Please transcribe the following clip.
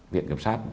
viện kiểm soát